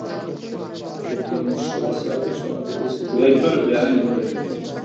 د کینشاسا په شمال ختیځ کې پلازمېنې ته رسېږي